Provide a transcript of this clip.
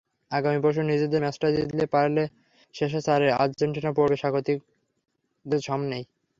আগামী পরশু নিজেদের ম্যাচটা জিতলে পারলে শেষ চারে আর্জেন্টিনা পড়বে স্বাগতিকদের সামনেই।